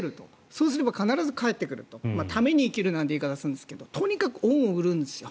そうすれば必ず帰ってくると為に生きるなんて言うんですがとにかく恩を売るんです。